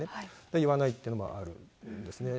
言わないっていうのもあるんですね。